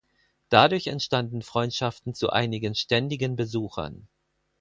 Dadurch entstanden Freundschaften zu einigen ständigen Besuchern.